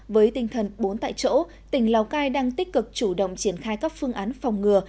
với tinh thần bốn tại chỗ tỉnh lào cai đang tích cực chủ động triển khai các phương án phòng ngừa